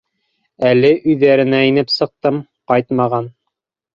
Әле өйҙәренә инеп сыҡтым - ҡайтмаған.